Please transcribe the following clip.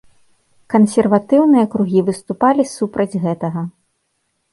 Кансерватыўныя кругі выступалі супраць гэтага.